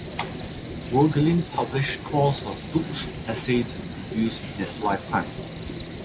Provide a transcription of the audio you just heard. Voegelin published scores of books, essays, and reviews in his lifetime.